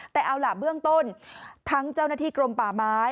แต่เอาล่ะเบื้องต้นทั้งเจ้าหน้าที่กรมป่าไม้